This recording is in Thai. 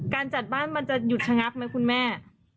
การจัดบ้านมันจะหยุดชะงักไหมคุณแม่